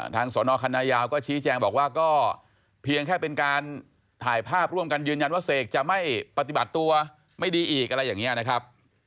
สอนอคณะยาวก็ชี้แจงบอกว่าก็เพียงแค่เป็นการถ่ายภาพร่วมกันยืนยันว่าเสกจะไม่ปฏิบัติตัวไม่ดีอีกอะไรอย่างนี้นะครับ